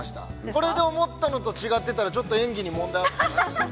これで思ったのと違ってたら、ちょっと演技に問題ある。